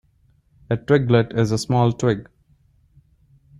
A twiglet is a small twig.